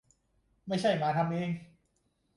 ไม่ใช่มาทำเอง